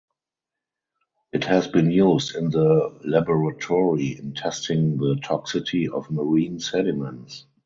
It has been used in the laboratory in testing the toxicity of marine sediments.